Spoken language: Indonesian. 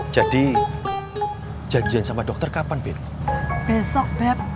jadi janjian sama dokter kapan besok